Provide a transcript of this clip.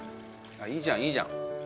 いいじゃんいいじゃん。